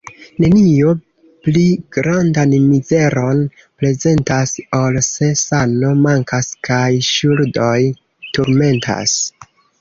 Nenio pli grandan mizeron prezentas, ol se sano mankas kaj ŝuldoj turmentas.